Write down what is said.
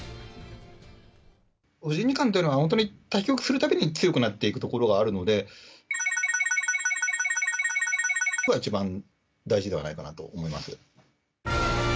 藤井二冠というのは、本当に対局するたびに強くなっていくところがあるので、×××が一番大事ではないかなと思います。